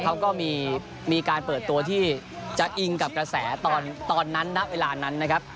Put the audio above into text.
เขาก็มีการเปิดตัวที่จะอิงกับกระแสตอนนั้นณเวลานั้นนะครับ